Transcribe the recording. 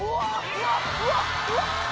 うわっうわっ！